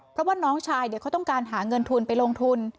เพราะว่าน้องชายเขาต้องการหาเงินทุนไปลงทุน